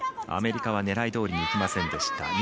アメリカは狙いどおりにいきませんでした。